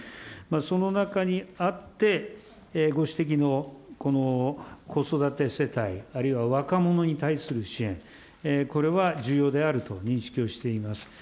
その中にあって、ご指摘のこの子育て世帯、あるいは若者に対する支援、これは重要であると認識をしています。